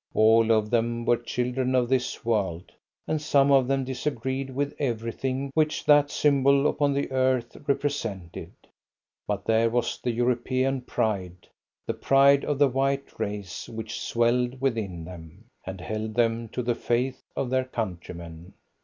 All of them were children of this world, and some of them disagreed with everything which that symbol upon the earth represented. But there was the European pride, the pride of the white race which swelled within them, and held them to the faith of their countrymen.